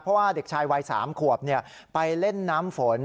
เพราะว่าเด็กชายวัย๓ขวบไปเล่นน้ำฝน